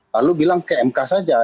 lalu bilang kmk saja